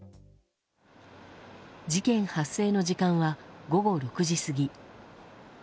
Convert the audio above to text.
事件発生の時間は午後６時過ぎ。